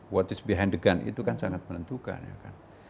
what is behind the gun itu kan sangat menentukan ya kan